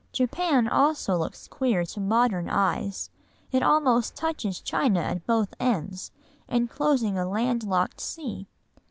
Japan also looks queer to modern eyes, it almost touches China at both ends, enclosing a land locked sea.